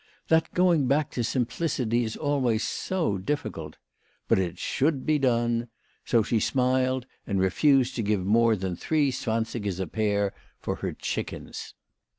That going back to simplicity is always so difficult ! But it should be done. So she smiled, and refused to give more than three zwansigers a pair for her chickens.